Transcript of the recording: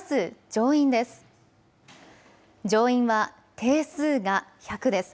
上院は定数が１００です。